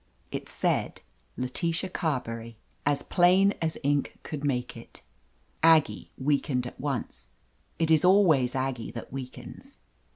It said "Letitia Carberry," as plain as ink could make it. Aggie weakened at once. It is always Aggie that weakens.